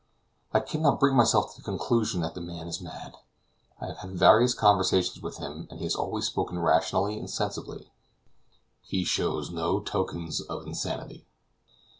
I cannot bring myself to the conclusion that the man is mad. I have had various conversations with him: he has always spoken rationally and sensibly. He shows no tokens of insanity.